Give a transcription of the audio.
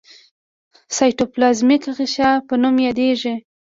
سایټوپلازمیک غشا په نوم یادیږي.